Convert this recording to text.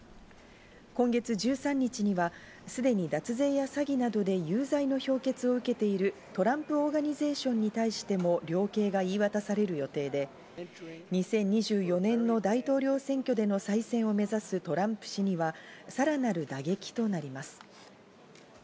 今月１３日にはすでに脱税や詐欺などで有罪の評決を受けているトランプ・オーガニゼーションに対しても量刑が言い渡される予定で、２０２４年の大統領選挙での再選を目指すトランプ氏にはさらなる打撃となります。